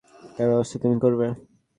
তার ব্যবস্থা তুমি করবে।